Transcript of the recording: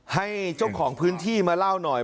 ให้เจ้าของพื้นที่มาเล่าหน่อย